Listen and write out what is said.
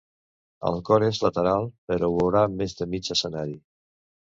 El cor és lateral, però veurà més de mig escenari.